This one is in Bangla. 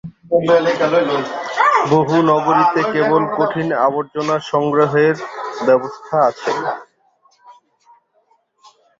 বহু নগরীতে কেবল কঠিন আবর্জনা সংগ্রহের ব্যবস্থা আছে।